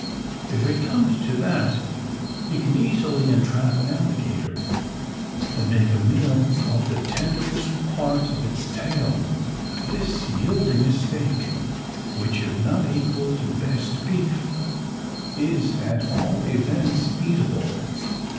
If it come to that, he can easily entrap an alligator, and make a meal off the tenderest part of its tail; this yielding a steak which, if not equal to best beef, is at all events eatable.